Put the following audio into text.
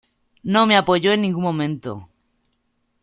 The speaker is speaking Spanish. No me apoyó en ningún momento.